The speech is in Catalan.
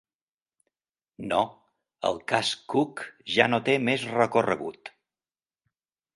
No, el cas Cook ja no té més recorregut.